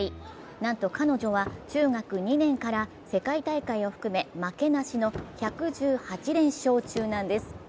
なんと彼女は中学２年から世界大会を含め負けなしの１１８連勝中なんです。